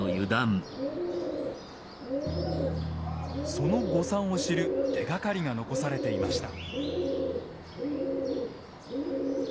その誤算を知る手がかりが残されていました。